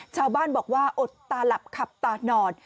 ชาวบ้านบอกว่าอดตาหลับขับตานอน